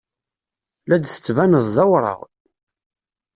La d-tettbaneḍ d awraɣ.